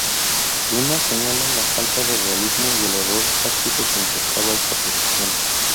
Luna señala la falta de realismo y el error táctico que importaba esta posición.